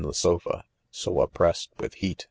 the sofa,, 'so oppressed with heat.